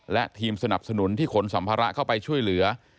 และทีมสนับสนุนที่ขนสัมภาระเข้าไปช่วยเหลือ